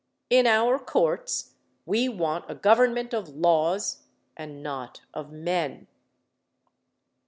In our courts we want a government of laws and not of men.